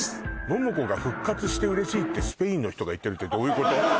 「モモコが復活して嬉しい！」ってスペインの人が言ってるってどういうこと？